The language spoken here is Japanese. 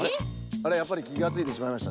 あれやっぱりきがついてしまいましたか？